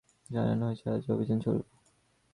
জানানো হয়েছিল, আজ অভিযান চলবে।